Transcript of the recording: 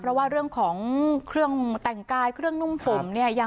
เพราะว่าเรื่องของเครื่องแต่งกายเครื่องนุ่งผมเนี่ย